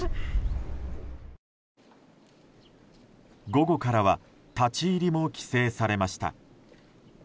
午後からは立ち入りも規制されました。